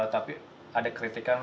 tapi ada kritikan